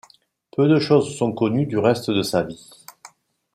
Peu de choses sont connues du reste de sa vie.